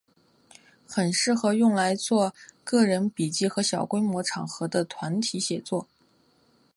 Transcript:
很适合用来做个人笔记和小规模场合的团体写作。